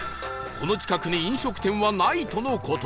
この近くに飲食店はないとの事